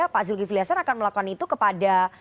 pak zulkifli hasan akan melakukan itu kepada